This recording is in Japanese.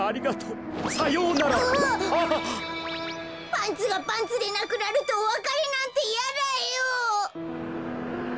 パンツがパンツでなくなるとおわかれなんてやだよ！